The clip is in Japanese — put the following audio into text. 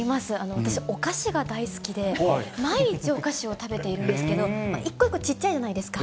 私、お菓子が大好きで、毎日、お菓子を食べているんですけど、一個一個ちっちゃいじゃないですか。